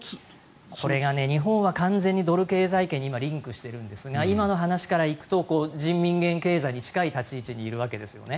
これが、日本は完全にドル経済圏にリンクしてるんですが今の話から行くと人民元経済に近い立ち位置にいるわけですよね。